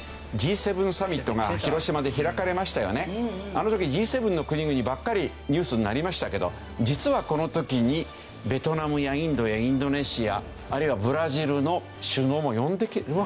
あの時Ｇ７の国々ばっかりニュースになりましたけど実はこの時にベトナムやインドやインドネシアあるいはブラジルの首脳も呼んでるわけですよ。